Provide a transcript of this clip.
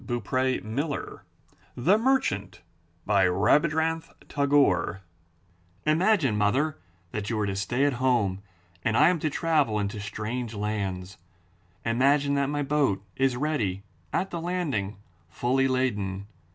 323 M Y BOOK HOUSE THE MERCHANT* Rabindranath Tagore Imagine, mother, that you are to stay at home and I am to travel into strange lands. Imagine that my boat is ready at the landing, fully laden.